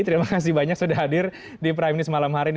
terima kasih banyak sudah hadir di prime news malam hari ini